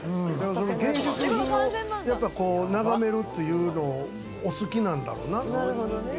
芸術品をやっぱ眺めるというのをお好きなんだろうな。